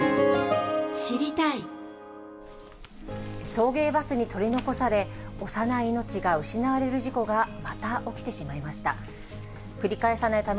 送迎バスに取り残され、幼い命が失われる事故がまた起きてしまいました。